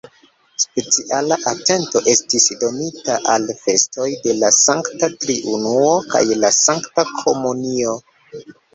Speciala atento estis donita al festoj de la Sankta Triunuo kaj la Sankta Komunio.